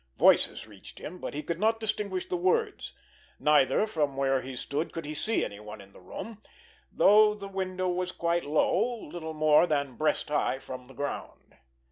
Voices reached him, but he could not distinguish the words; neither, from where he stood, could he see anyone in the room, though the window was quite low, little more than breast high from the ground.